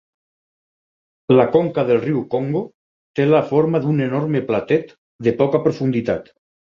La conca del riu Congo té la forma d'un enorme platet de poca profunditat.